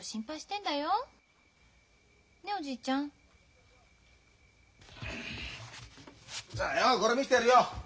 んじゃあよこれ見してやるよ。